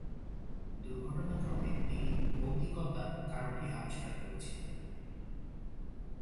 দুর্ঘটনাক্রমে তিনি "ভৌতিকতা"-র কারণটি আবিষ্কার করেছিলেন।